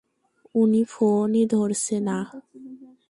উনি ফোনই ধরছে না।